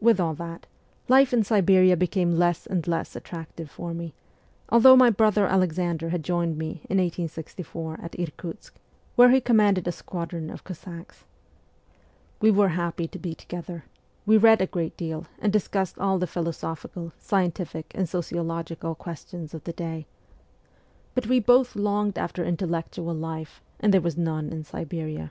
With all that, life in Siberia became less and less attractive for me, although my brother Alexander had joined me in 1864 at Irkutsk, where he commanded a 252 MEMOIRS OF A REVOLUTIONIST squadron of Cossacks. We were happy to be together ; we read a great deal and discussed all the philosophical, scientific, and sociological questions of the day ; but we both longed after intellectual life, and there was none in Siberia.